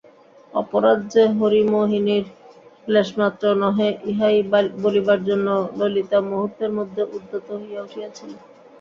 অপরাধ যে হরিমোহিনীর লেশমাত্র নহে ইহাই বলিবার জন্য ললিতা মুহূর্তের মধ্যে উদ্যত হইয়া উঠিয়াছিল।